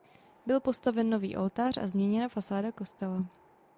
Byl postaven nový oltář a změněna fasáda kostela.